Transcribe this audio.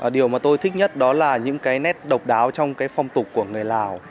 điều mà tôi thích nhất đó là những cái nét độc đáo trong cái phong tục của người lào